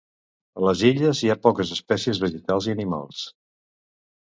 A les illes hi ha poques espècies vegetals i animals.